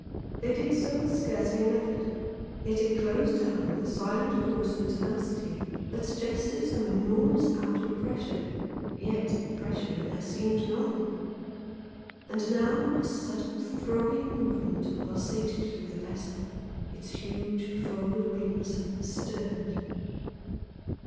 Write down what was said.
They did so with scarcely an effort, yet it closed down with a silent force and tenacity that suggested some enormous outward pressure, yet pressure there seemed none. And now a sudden throbbing movement pulsated through the vessel its huge folded wings stirred.